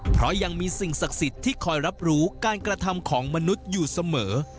เพราะยังมีสิ่งศักดิ์สิทธิ์ที่คอยรับรู้การกระทำของมนุษย์อยู่เสมอ